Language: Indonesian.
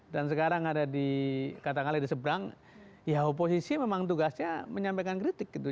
dan sekarang ada di kata kalian di sebrang ya oposisi memang tugasnya menyampaikan kritik gitu